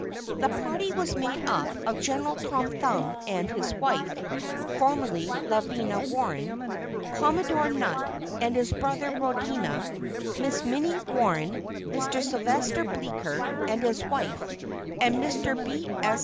This party was made up of General Tom Thumb and his wife (formerly Lavinia Warren), Commodore Nutt and his brother Rodnia, Miss Minnie Warren, Mr. Sylvester Bleeker and his wife, and Mr. B. S.